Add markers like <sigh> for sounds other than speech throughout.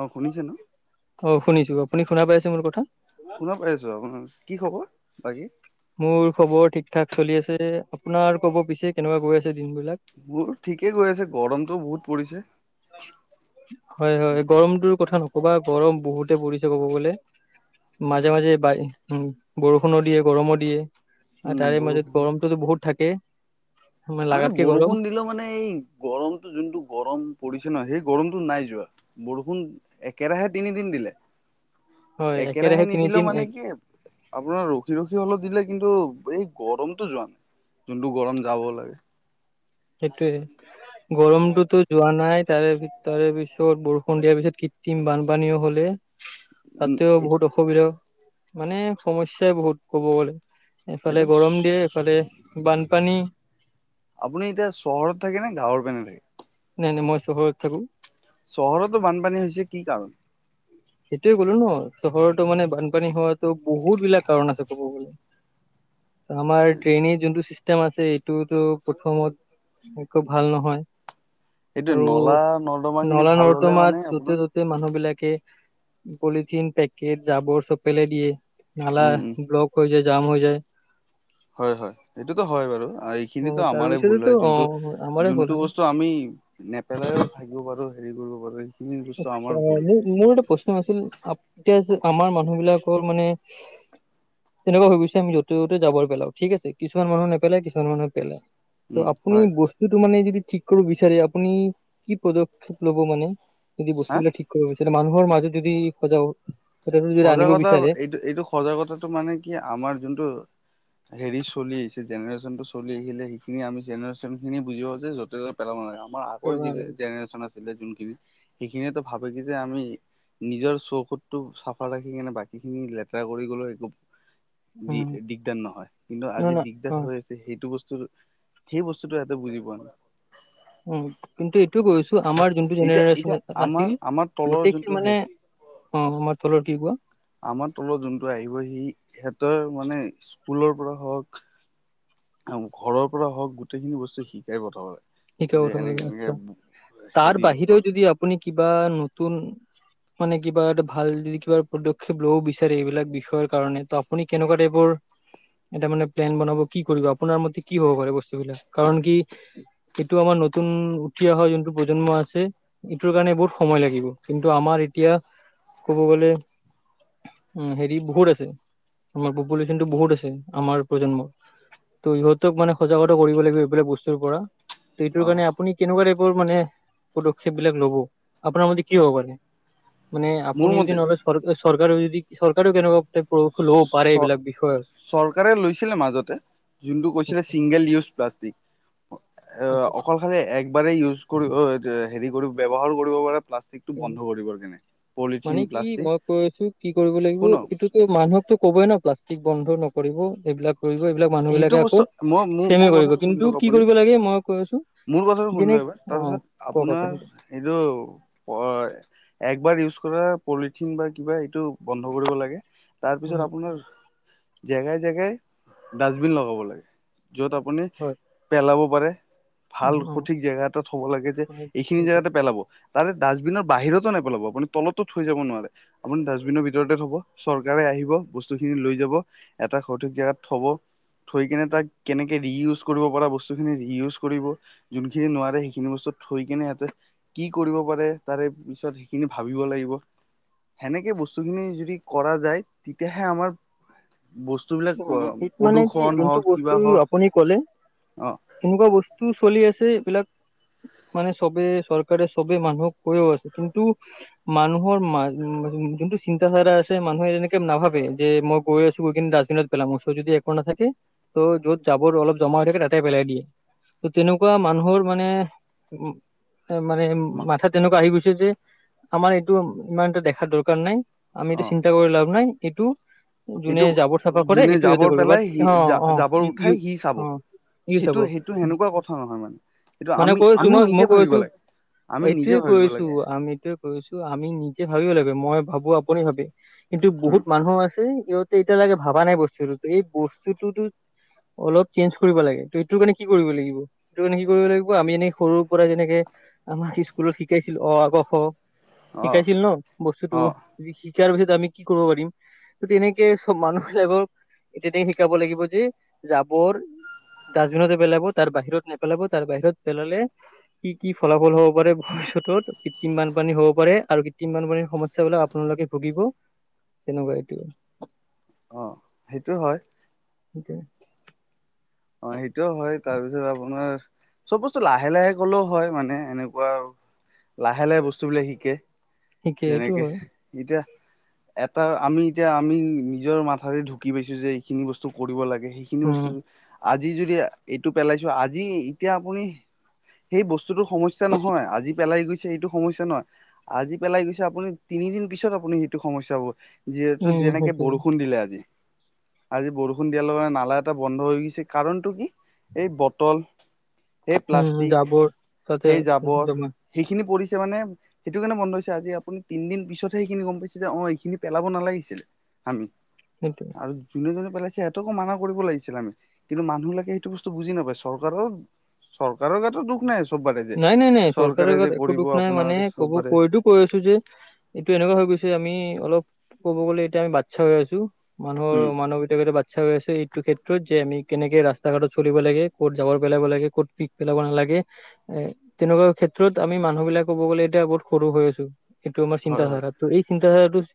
অঁ শুনিছে নো? অ শুনিছো। আপুনি শুনা পাইছে মোৰ কথা? শুনা পাই আ। আপোনাৰ কি খবৰ বাকী? মোৰ খবৰ ঠিক-ঠাক চলি আছে। আপোনাৰ ক'ব পিছে কেনেকুৱা গৈ আছে দিনবলাক? মোৰ ঠিকে গৈ আছে, গৰমতটো বহুত পৰিছে। হয় হয় গৰমটোৰ কথা নক ক'বা গৰম বহুতে পৰিছে ক'ব গ'লে, মাজে মাজে ব উম ব, ৰষুণো দিয়ে গৰমো দিয়ে আৰু উম তাৰে মাজত বৰষুণ গৰমটো বহুত থাকে। মানে লাগাতকে গৰম বৰষুণ দিলে, মানে এই গৰমটো যোন গৰম পৰিছে নহয়, সেই গৰমতটো নাই যোৱা, বৰষুণ একেৰাহে তিনিদিন দিলে। হয় একেৰাহে নিদিলে তিনিদিন মানে এক কি আপোনাৰ ৰখি ৰখি হলেও দিলে, কিন্তু এই গৰমটো যোৱা নাই। যোনটো গৰম যাব লাগে। সেইটোয়ে। গৰমটোতো যোৱা নাই, তাৰে তাৰে পিছত বৰষুণ দিয়াৰ পিছত কৃতিম বানপানীও হলে। উম তাতেও বহুত অসুবিধা, মানে সমস্্যাই বহুত ক'ব গলে। এইটো এইফালে গৰম দিয়ে, এইফালে বানপানী। আপুনি এতিয়া চহৰত থাকে, নে গাঁৱৰ পিনে থাকে? নাই নাই মই চহৰত থাকো। চহৰতো বানপানী হৈছে কি কাৰণ? সেইটোয়ে ক'লো ন, চহৰতো মানে বানপানী হয় তো বহুত বিলাক কাৰণ আছে, কব গলে। আমাৰ ড্ৰেইনেজ যোনটো চিষ্টেম আছে এইটোতো প্ৰথমত একো ভাল নহয়, এইটো আৰু, নলা নৰ্দমা খিনি নলা ভাল হলে মানে নৰ্দমাত আপোনাৰ যতে ততে মানুহ বিলাকে পলিথিন পেকেট জাবৰ চব পেলাই দিয়ে, নালা উম উম ব্লক হৈ যায়, জাম হৈ যায়। হয় হয়, এইটো হয় বাৰু, অ এইখিনিটো আমাৰে ভুল তাৰপিছতেতো হয় অ যোনটো আমাৰে ভুল যোনটো হয় বস্তু আমি, নেপেলাইও থাকিব পাৰো, হেৰি কৰিব পাৰো। সেইখিনি বস্তু আচ্ছা, আমাৰ ভুল মোৰ মোৰ এটা প্ৰশ্ন আছিল, এতিয়া আমাৰ মানুহ বিলাকৰ মানে তেনেকুৱা হৈ গৈছে, আমি যতে ত'তে যাবৰ পেলাও, ঠিক আছে, কিছুমান মানুহ নেপেলাই, কিছো মানুহ পেলাই। উম ত' আপুনি হয় বস্তুটো মানে যদি ঠিক কৰিব বিচাৰে, আপুনি কি পদক্ষেপ লব মানে? যদি হা বস্তুবিলাক ঠিক কৰিব বিচাৰে মানুহৰ মাজত যদি সজা, স যদি আনিব বিচাৰে। সজা কথাটো মানে কি আমাৰ যোনটো হেৰি চলি আহিছে, জেনেৰেশচন টো চলি আহিলে, সেইখিনি আমি জেনেৰেশচন খিনি বুজিব পাও যে য পেলাব নালাগে, আমাৰ কৰিব আগৰ যিটো নালাগে। জেনেৰেশ্যন আছিলে যোনখিনি, সেইখিনিয়েতো ভাবে কি যে আমি নিজৰ চৌকুদতটো চাফ ৰাখি কিনে, বাকী খিনি লেতেৰা কৰি গ'লেও একো দি উম, দিগদাৰ নহয়, কিন্তু নহয় আজি নহয় দিগদাৰ অ' হৈ সেইটো বস্তু, সেই বস্তুতটো ইহতে বুজি পোৱা নাই। উম, কিন্তু এইটো কৈছো আমাৰ যোনটো এতিয়া এতিয়া জেনেৰে্যন আমাৰ আছিল, আমাৰ তলৰ গোটেইখিন যোনটো মানে হেৰি অ' আমাৰ থল ঠিক হোৱা। আমাৰ তলত যোনটো আহিব, সি সিহঁতৰ মানে, স্কুলৰ পৰা হওক ঘৰৰ পৰা হওক গোটেইখিনি বস্তু শিকাই পঠোৱা হয়। শিকা পঠাব লাগে, আচ্ছা, তাৰ হেৰি বাহিৰেও যদি আপুনি কিবা নতুন মানে কিবা এটা ভাল যে কিবা পদক্ষেপ ল'ব বিচাৰে, এইবিলাক বিষয়ৰ কাৰণে ত আপুনি কেনেকুৱা টাইপৰ এটা মানে প্লেন বনাব, কি কৰিব আপোনাৰ মতে কি হ'ব পাৰে বস্তুবিলাক, কাৰন কি সেইটো আমাৰ নতুন, উঠি অহা যোনটো প্ৰজন্ম আছে। ইটোৰ কাৰণে বহুত সময় লাগিব, কিন্তু আমাৰ এতিয়া কব গলে উম হেৰি বহুত আছে, আমাৰ পপুলেশ্বন টো বহুত আছে, আমাৰ প্ৰজন্মৰ। ত' ইহঁতক মানে সজাগতা কৰিব লাগিব, এইবিলাক বস্তুৰ পৰা ত অ এইটোৰ কাৰণে আপুনি কেনেকুৱা টাইপৰ মানে, পদক্ষেপ বিলাক লব আপোনাৰ মতে কি হ'ব পাৰে? মানে মোৰ আপুনি যদি মতে নলয়, চৰ চৰকাৰেও যদি চৰকাৰেও কেনেকা পদক্ষেপ ল'ব পাৰে চ এইবিলাক বিষয়ে। চৰকাৰে লৈছিলে মাজতে, যোনটো কৈছিলে আচ্ছা ছিংগেল ইউজ প্লাষ্টিক। অ' আচ্ছা অকল খালি একবাৰেই ইউজ কৰিব, হেৰি ব্যৱহাৰ কৰিব পাৰে প্লাষ্টিক। মানে কি প্লাষ্টিক মই কৈ আছো, কি কৰিব শুনক লাগিব এইটোতো মানুহকতো ক'বই ন প্লাষ্টিক বন্ধ নকৰিব, এইবিলাক কৰিব এইবিলাক মানুহ সেইটো বিলাকে বস্তু আকৌ মই মোৰ চেমে মোৰ কৰিব কথাটো শুনি কিন্তু লওক কি আপুনি কৰিব লাগে মই কৈ আছো মোৰ কথাটো শুনি যেনে লওক এবাৰ অ তাৰপিছত কওক আপোনাৰ আপুনি এইটো প একবাৰ ইউজ কৰা পলিথিন বা কিবা এইটো বন্ধ কৰিব লাগে উম তাৰপিছত আপোনাৰ জেগাই জেগাই ডাষ্টবিন লগাব লাগে য'ত আপুনি হয় পেলাব পাৰে ভাল উম অ সঠিক জেগা এটাত থব লাগে যে হয় এইখিনি সেইটোৱে। জেগাতে পেলাব তাৰে ডাষ্টবিনৰ বাহিৰতো নেপেলাব আপুনি তলতো থৈ যাব নোৱাৰে আপুনি ডাষ্টবিনৰ ভিতৰতে থব চৰকাৰে আহিব বস্তুখিনি লৈ যাব এটা সঠিক জোগাত থব থৈ কিনে তাক কেনেকে ৰিউজ কৰিব পৰা বস্তুখিনি ৰিউজ কৰিব যোনখিনি নোৱাৰে সেইখিনি বস্তু থৈ কিনে সিহঁতে কি কৰিব পাৰে তাৰে পিছত সেইখিনি ভাবিব লাগিব সেনেকে বস্তুখিনি যদি কৰা যায় তেতিয়াহে আমাৰ বস্তুবিলাক উ শীত মানে কি প্ৰদূষণ যোনটো হওক কিবা বস্তু হওক আপুনি ক'লে অ এনেকুৱা বস্তু চলি আছে এইবিলাক মানে চবে চৰকাৰে চবে মানুহক কৈও আছে কিন্তু মানুহৰ ম যোনটো চিন্তাাধাৰা আছে মানুহে এনেকে নাভাবে যে মই গৈ আছো গৈ কি <unintelligible> বিনত পেলাম ওচৰত যদি একো না থাকে ত' য'ত জাবৰ অলপ জমা হৈ থাকে টাটেই পেলাই দিয়ে ত তেনেকুৱা মানুহৰ মানে উ এ মানে মা মাথা তেনেকুৱা আহি গৈছে যে আমাৰ এইটো ইমান এটা দেখাৰ দৰকাৰ নাই আমি অ এইটো চিন্তা কৰি লাভ নাই এইটো জোনে এইটো জাবৰ চাফা কৰে যোনে এইটো সিহঁতে জাবৰ কৰিব বাট পেলাই সি অ জা অ জাবৰ উঠাই ই সি চাব অ ই চাব সেইটো সেইটো সেনেকুৱা কথা নহয় মানে এইটো মানে আমি কৈ আছো আমি মই মই নিজে কৈ ভাবিব আছো লাগে আমি নিজে এইটোয়ে ভাবিব কৰিছো লাগে আমি এইটোয়ে কৰিছো আমি নিজে ভাবিব লাগিব মই ভাবো আপুনি ভাবে কিন্তু উম বহুত মানুহ আছে ইহঁতে এতিয়ালৈকে ভবা নাই বস্তুটোতো এই বস্তুটোতো অলপ চেঞ্জ কৰিব লাগে ত এইটো কাৰণে কি কৰিব লাগিব সেইটো কাৰণে কি কৰিব লাগিব আমি এনেই সৰুৰ পৰাই যেনেকে আমাক স্কুলত শিকাইছিল অ আ ক খ অ শিকাইছিল ন বস্তুটো অ যে শিকাৰ পিছত আমি কি কৰিব পাৰিম ত তেনেকে চব মানুহ বোৰ এতিয়া দি শিকাব লাগিব যে জাবৰ দাজবিনতে পেলাব তাৰ বাহিৰত নেপেলাব তাৰ বাহিৰত পেলালে কি কি ফলাফল হ'ব পাৰে ভৱিষ্যত কৃত্ৰিম বানপানী হ'ব পাৰে আৰু কৃত্ৰিম বানপানীৰ সমস্যা বিলাক আপোনালোকে ভুগিব তেনেকুৱা এইটো অ সেইটো হয় উ <unintelligible> অ', সেইটোও হয়। তাৰপিছত আপোনাৰ চব বস্তু লাহে লাহে কলেও হয় মানে এনেকুৱা। লাহে লাহে বস্তুবিলাক শিকে ঠিকে এইটো যেনেকে, হয় এতিয়া এটা আমি এতিয়া আমি নিজৰ মাথাৰে ঢুকি পাইছো, যে এইখিনি বস্তু কৰিব লাগে সে খিনি উম বস্তু আজি যদি এইটো পেলাইছো, আজি এতিয়া আপুনি সেই বস্তুতো সমস্যা নহয়, আজি পেলাই গৈছে সেইটো সমস্যা নহয়। আজি পেলাই গৈছে, আপুনি তিনিদিন পিছত আপুনি সেইটো সমস্যা হ'ব। যিহেতু উম যেনেকে সেইটোৱে বৰষুণ দিলে আজি, আজি বৰষুণ দিয়াৰ লগে লগে নালা এটা বন্ধ হৈ গৈছে। কাৰণটো কি? এই বটল, এই উম প্লাষ্টিক, জাবৰ তাতে এই জাবৰ। জমা সেইখিনি পৰিছে মানে। সেইটোকাৰণে বন্ধ হৈছে, আজি আপুনি তিনদিন পিছতহে সেইখিনি গম পাইছে, যে অ', এইখিনি পেলাব নালাগিছিলে আমি। সেইটোৱেই। আৰু যোনে যোনে পেলাইছে, সিহঁতকো মানা কৰিব লাগিছিলে আমি। কিন্তু মানুহিলাকে সেইটো বস্তু বুজি নাপায়। চৰকাৰৰ, চৰকাৰৰ গাটো দোষ নাই। চববাৰে যে নাই, নাই, নাই। চৰকাৰে চৰকাৰৰ যে গাত একো কৰিব দুখ নাই আপোনাৰ মানে, কব চববাৰে কৈ দব কৈ আছো যে এইটো এনেকুৱা হৈ গৈছে, আমি অলপ ক'ব গ'লে এতিয়া আমি বাচ্ছা হৈ আছো। মানুহৰ উম মানুহ কেইটা গোটে বাচ্ চ্ছা হৈ আছে এইটো ক্ষেত্ৰত, যে আমি কেনেকে ৰাস্তা-ঘাটত চলিব লাগে, ক'ত জাবৰ পেলাব লাগে, ক'ত পিক পেলাব নালাগে। এ তেনেকুৱা ক্ষেত্ৰত আমি মানুহ বিলাক ক'ব গলে এতিয়া বহুত সৰু হৈ আছো, এইটো আমাৰ হয় হয় চিন্তাধাৰাত। ত' এই চিন্তাধাৰাটো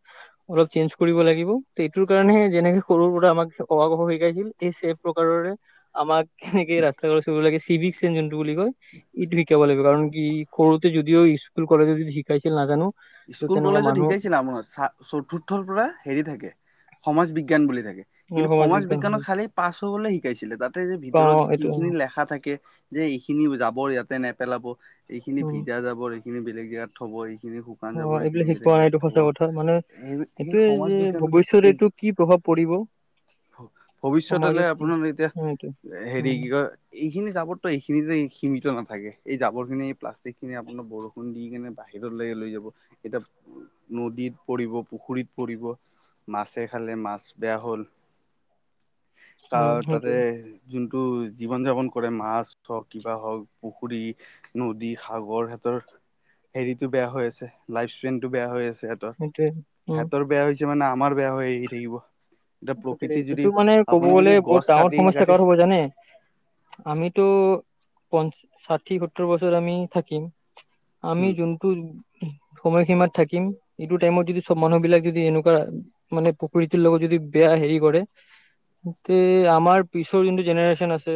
অলপ চেঞ্জ কৰিব লাগিব, এইটোৰ কাৰণেহে যেনেকে সৰুৰ পৰা আমাক অ, আ, ক, খ শিকাইছিল। এই চে প্ৰকাৰৰে, আমাক এনেকে ৰাস্তা <unintelligible> চিভিক চেনচ যোনটো বুলি কয়। ইটো শিকাব লাগিব। কাৰণ কি সৰুতে যদিও স্কুল কলেজে যদি শিকাইছিল নাজানো। ত' স্কুল তেনেকুৱা কলেজত মানুহ শিকাইছিলে আপোনাৰ, চা চতুৰ্থৰ পৰা হেৰি থাকে, সমাজ বিজ্ঞান বুলি থাকে। কিন্তু সমাজ বিজ্ঞানৰ খালী পাছ হবলৈ শিকাইছিলে, তাতে যে অ ভিতৰত কি এইটো খিনি লেখা থাকে যে এইখিনি জাবৰ ইয়াতে নেপেলাব এইখিনি উ ভিজা যাব, এইখিনি বেলেগ জেগাত থব, এইখিনি শুকান অ জাৱৰ, এইখিনি এইবিলাক শিকোৱা বেলেগ নাই এইটো ইয়াত থ'ব, সঁচা কথা মানে স সেই এইটোয়ে সমাজ যে বিজ্ঞানত ভৱিষ্যত এইটো কি প্ৰভাৱ পৰিব এই ভৱিষ্যতলৈ সমাজত কি আপোনাৰ এতিয়া, অ এইটোৱে হেৰি উম কি কয়। এইখিনি জাবৰটো এইখিনিতে সীমিত নাথাকে, এই জাবৰ খিনি এই প্লাষ্টিক খিনি আপোনাৰ বৰষুণ দি কেনে বাহিৰত ল লৈ যাব এতিয়া নদীত পৰিব, পুখুৰীত পৰিব। মাছে খালে মাছ বেয়া হ'ল। উম তাৰ তাতে সেইটোৱে যোনটো জীৱন যাপন কৰে মাছ হওঁক, কিবা হওঁক, পুখুৰী নদী, সাগৰ সিহঁতৰ হেৰিতটো বেয়া হৈ আছে। লাইফ চেইনটো বেয়া হৈ আছে সেহেতৰ, সেইটোৱে উম সেহেতৰ বেয়া হৈছে মানে আমাৰ বেয়া হৈ আহি থাকিব। এতিয়া প্ৰকৃতি যদি এইটো মানে ক'ব আপুনি যদি গ'লে গছ বহুত ডাঙৰ কাটি সমস্যা কাটি কাৰ হ'ব জানে? আমিতো প ষাঠি সত্তৰ বছৰ আমি থাকিম। আমি হম যোনটো সময়সীমাত থাকিম, এইটো টাইমত যদি সব মানুহ বিলাক যদি এনেকুৱা মানে প্ৰকৃতিৰ লগত যদি বেয়া হেৰি কৰে, তে আমাৰ পিছৰ যোনটো জেনেৰেশ্যন আছে।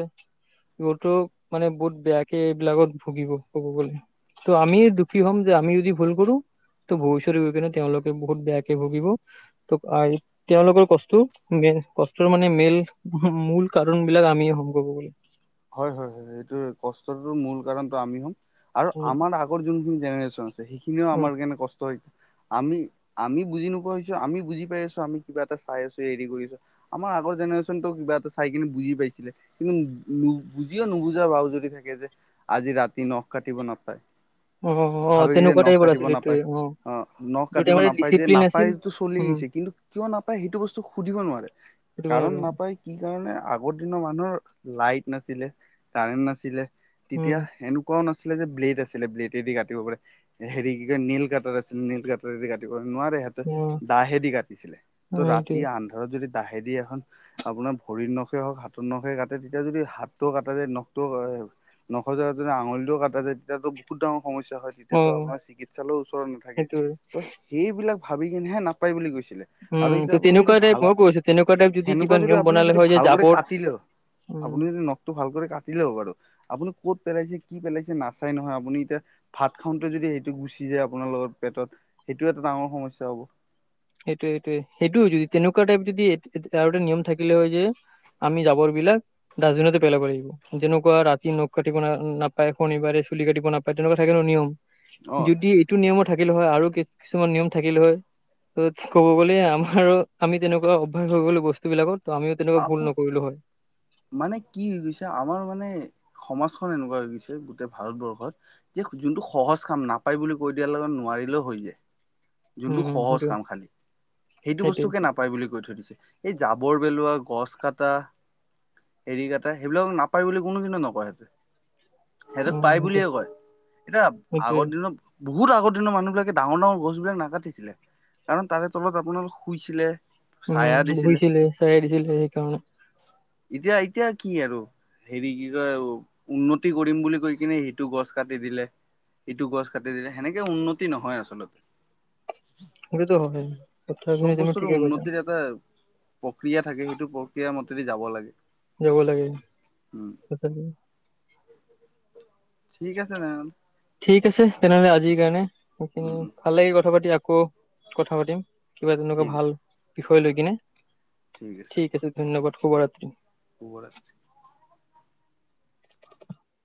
সিহঁতক মানে বহুত বেয়াকে এইবিলাকত ভুগিব ক'ব গ'লে। ত' আমি দুখী হম যে, আমি যদি ভুল কৰো ত' ভৱিষ্যতে গৈ কিনে তেওঁলোকে বহুত বেয়াকে ভুগিব, ত' তেওঁলোকৰ কষ্ট টো মেইন, কষ্টৰ মানে মেল মূল কাৰণ বিলাক আমিয়েই হম কবলৈ গ'লে। হয়, হয়, হয়। এইটোৰ কষ্টৰটো মূল কাৰণটো আমি হ'ম আৰু উম, আমাৰ আগ যোনখিনি জেনেৰেচন আছে, সেইখিনিও আমাৰ কাৰণে কষ্ট আমি, আমি বুজি নোপোৱা হৈছো, আমি বুজি পাই আছো, আমি কিবা এটা চাই আছো, হেৰি কৰিছো। আমাৰ আগৰ জেনেৰেশ্যনটো কিবা এটা চাই কিনে বুজি পাইছিলে। কিন্তু বুজিও নুবুজা ভাও জুৰি থাকে যে, আজি ৰাতি নখ কাটিব নাপায়। অ' অ' ভাবে যে তেনেকুৱা নখ টাইপ কাটিব আছিলে এইটোয়ে নাপায় অ'। অ' নখ যিটো কাটিব টাইমত নাপায় যে ডিচিপ্লিন আছিল নাপায়টো উম, চলিছে কিন্তু কিয় নাপায় সেইটো বস্তু সুধিব নোৱাৰে। কাৰণ সেইটো নাপায় কি কাৰণে আগৰ দিনৰ মানুহৰ লাইট নাছিলে, কাৰেণ্ট নাছিলে তেতিয়া উম, এনেকুৱাও নাছিলে যে ব্লেড আছিলে ব্লেডেদি কাটিব পাৰে হেৰি কি কয় নেইল কাটৰ আছিল নেইল কাটাৰদি কাটিব নোৱাৰে সিহঁত অ', দাহেদি কাটিছিলে ত উম, সেইটোৱে ৰাতি আন্ধা ঘৰত যদি দাহে দি এখন আপোনাৰ ভৰিৰ নখে হওঁক হাতৰ নখে ক তেতিয়া যদি হাতটো কটা যায় নখটো নখৰ জেগাত যদি আঙুলিটোও কাটা যায় তেতিয়াতো বহুত ডাঙৰ সমস্যা হয়। তেতিয়াতো অ', আপোনাৰ চিকিৎসালয়ৰ ওচৰত নাথাকে সেইটোৱে ত' সেইবিলাক ভাবি কিনেহে নাপায় বুলি কৈছিলে। উম, আৰু এতিয়া ত' আপুনি তেনেকুৱা যদি টাইপ ভাল মই কৈছো তেনেকুৱা টাইপ কিবা সেনেকুৱা যদি নিয়ম আপুনি বনালে যদি হয় যে ভালক জাবৰ কাটিলেও উম, আপুনি নখটো ভালকে কাটিলেও বাৰু আপুনি ক'ত পেলাইছে কি পেলাইছে নাচাই নহয় আপুনি এতিয়া ভাত খাওঁতে যদি সেইটো গুচি যায় আপোনাৰ লগত পেটত সেইটো এটা ডাঙৰ সমস্য হ'ব। সেইটোয়ে সেইটোয়ে সেইটো য তেনেকুৱা টাইপ যদি আৰু এটা নিয়ম থাকিলে হয় যে আমি জাবৰ বিলাক ডাষ্টবিনতে পেলাব লাগিব। তেনেকুৱা ৰাতি নখ কাটিব ন নাপায়, শনিবাৰে চুলি কাটিব নাপায়, তেনেকুৱা থাকে ন নিয়ম। অ যদি এইটো নিয়মৰ থাকিলে হয়, আৰু কিছুমান নিয়ম থাকিলে হয়। ত ক'ব গলে, আমাৰো আমি তেনেকুৱা অভ্যাস হৈ গ'লো বস্তু বিলাকত ত আমিও তেনেকুৱা আপো ভুল নকৰিলো হয়। মানে কি হৈ গৈছে আমাৰ মানে, সমাজখন এনেকুৱা হৈ গৈছে গোটেই ভাৰতবৰ্ষত। যে যোনটো সহজ কাম, নাপায় বুলি কৈ দিয়াৰ লগত নোৱাৰিলেও হৈ যায়। যোনটো উম উম সহজ সেইটো কাম খালি, সেইটো বস্তুকে সেইটোৱে নাপায় বুলি কৈ থৈ দিছে, এই জাবৰ পেলোৱা গছ কটা, হেৰি কটা সেইবিলাক নাপায় বুলি কোনোদিনে নকয় সিহতে। অ সিহঁতোক পাই সেইটো বুলিয়ে কয়, এতিয়া সেইটোৱে আগৰ দিনত বহুত আগৰ দিনৰ মানুহবিলাক ডাঙৰ ডাঙৰ গছ বিলাক নাকাটিছিলে। কাৰণ তাৰে তলত আপোনাৰ শুইছিলে। উম চায়া দিছিলে বহিছিলে, চাই দিছিলে সেইকাৰণে। এতিয়া, এতিয়া কি আৰু হেৰি কি কয়, উন্নতি কৰিম বুলি কৈ কিনে সেইটো গছ কাটি দিলে। ইটো গছ কাটি দিলে, সেনেকে উন্নতি নহয় আচলতে। সেইটোতো হয় কথাখিনি চব তুমি বছৰ ঠিকে কৈছা উন্নতিৰ এটা প্ৰক্ৰিয়া থাকে, সেইটো প্ৰক্ৰিয়াৰ মতেদি যাব লাগে। যাব লাগে, উম তথাপি <inaudible> ঠিক আছে তেনেহলে। ঠিক আছে তেনেহ'লে আজিৰ কাৰণে, উম সেইখিনি উম ভাল লাগিল কথা পাতি আকৌ কথা পাতিম, কিবা তেনেকুৱা ঠিক আছে ভাল, বিষয় লৈ কিনে ঠিক আছে। ধন্যবাদ, শুভৰাত্ৰি। <inaudible> <inaudible>